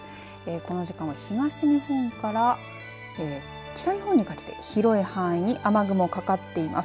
この時間は東日本から北日本にかけて広い範囲に雨雲かかっています。